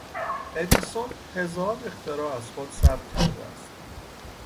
ادیسون هزار اختراع از خود ثبت کرده است